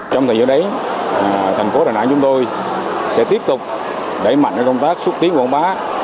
trong thời gian đấy thành phố đà nẵng chúng tôi sẽ tiếp tục đẩy mạnh công tác xuất tiến quảng bá